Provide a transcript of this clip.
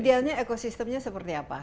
idealnya ekosistemnya seperti apa